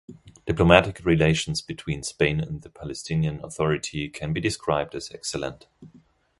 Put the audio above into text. Diplomatic relations between Spain and the Palestinian Authority can be described as excellent.